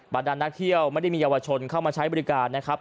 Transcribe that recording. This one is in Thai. ดันนักเที่ยวไม่ได้มีเยาวชนเข้ามาใช้บริการนะครับ